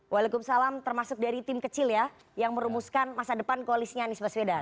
waalaikumsalam termasuk dari tim kecil ya yang merumuskan masa depan koalisnya anies baswedan